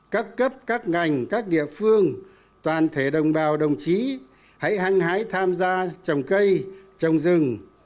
các cấp các ngành các địa phương toàn thể đồng bào đồng chí hãy hăng hái tham gia trồng cây trồng rừng